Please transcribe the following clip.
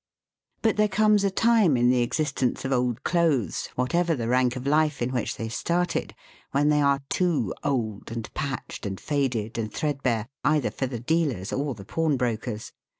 279 But there comes a time in the existence of old clothes, whatever the rank of life in which they started, when they are too old, and patched, and faded, and threadbare, either for the dealers or the pawnbrokers.